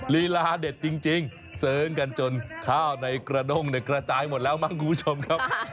ลีลาเด็ดจริงเสริงกันจนข้าวในกระด้งเนี่ยกระจายหมดแล้วมั้งคุณผู้ชมครับ